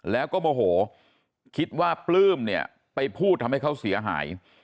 แล้วก็โมโหคิดว่าปลื้มเนี่ยไปพูดทำให้เขาเสียหาย